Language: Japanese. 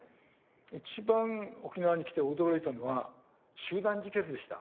一番沖縄に来て驚いたのは集団自決でした。